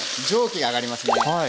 蒸気が上がりますね。